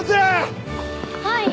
はい！